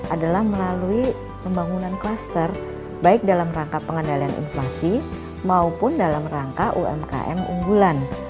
adalah melalui pembangunan klaster baik dalam rangka pengendalian inflasi maupun dalam rangka umkm unggulan